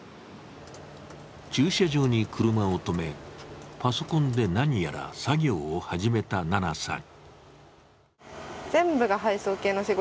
駐車場に車を止め、パソコンで何やら作業を始めた、ななさん。